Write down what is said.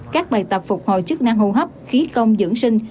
các bài tập phục hồi chức năng hô hấp khí công dưỡng sinh